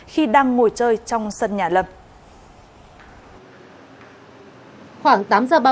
khi đang ngồi chơi trong sân nhà lâm